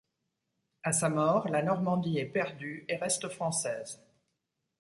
À sa mort la Normandie est perdue et reste française.